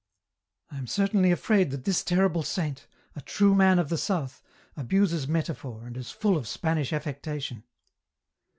" I am certainly afraid that this terrible saint, a true man of the south, abuses metaphor, and is full of Spanish affectation.